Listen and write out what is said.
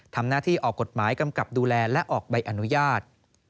ทำหน้าที่ออกกฎหมายกำกับดูแลและออกใบอนุญาต